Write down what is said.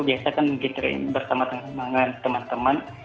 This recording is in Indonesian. biasa kan bersama dengan teman teman